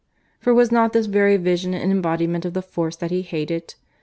... For was not this very vision an embodiment of the force that he hated?